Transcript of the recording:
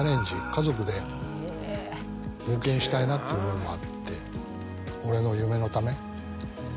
家族で冒険したいなっていう思いもあって。